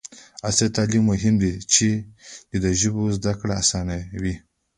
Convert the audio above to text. عصري تعلیم مهم دی ځکه چې د ژبو زدکړه اسانوي.